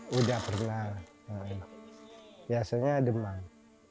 sudah pernah biasanya demam